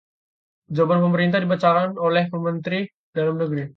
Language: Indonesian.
jawaban pemerintah dibacakan oleh Menteri Dalam Negeri